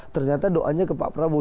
ternyata doanya ke pak prabowo